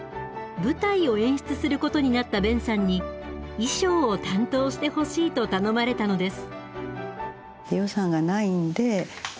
舞台を演出することになった勉さんに衣装を担当してほしいと頼まれたのです。